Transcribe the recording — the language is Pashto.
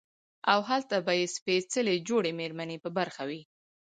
او هلته به ئې سپېڅلې جوړې ميرمنې په برخه وي